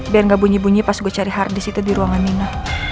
biar gak bunyi bunyi pas gue cari hard dis itu di ruangan mina